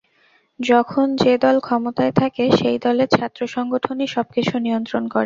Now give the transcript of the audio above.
যখন যে দল ক্ষমতায় থাকে, সেই দলের ছাত্রসংগঠনই সবকিছু নিয়ন্ত্রণ করে।